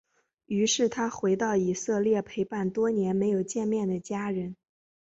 于是他回到以色列陪伴多年没有见面的家人。